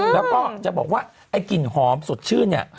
แล้วก็จะบอกว่าไอ้กลิ่นหอมสดชื่นเนี่ย